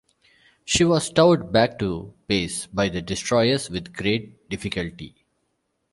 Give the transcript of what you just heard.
She was towed back to base by the destroyers with great difficulty.